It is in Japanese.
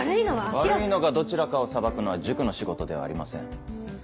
悪いのがどちらかを裁くのは塾の仕事ではありません。